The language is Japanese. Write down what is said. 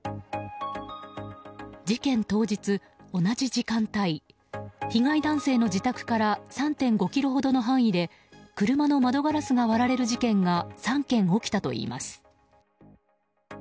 事件当日、同じ時間帯被害男性の自宅から３．５ｋｍほどの範囲で車の窓ガラスが割られる事件が３件起きたといいます。